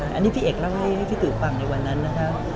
อันนี้พี่เอกเล่าให้พี่ตื่นฟังในวันนั้นนะคะ